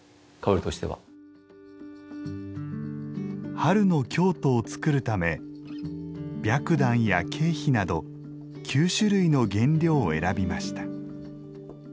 「春の京都」を作るため白檀や、桂皮など９種類の原料を選びました。